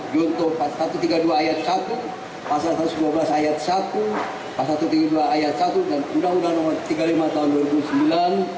junto pasal satu ratus tiga puluh dua ayat satu pasal satu ratus dua belas ayat satu pasal satu ratus tiga puluh dua ayat satu dan undang undang nomor tiga puluh lima tahun dua ribu sembilan